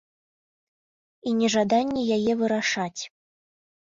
І нежаданне яе вырашаць.